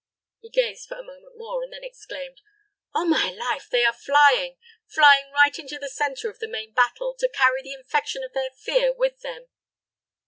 He gazed for a moment more, and then exclaimed, "On my life! they are flying flying right into the centre of the main battle, to carry the infection of their fear with them!"